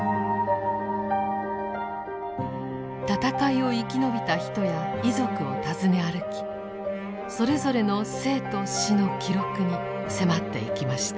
戦いを生き延びた人や遺族を訪ね歩きそれぞれの生と死の記録に迫っていきました。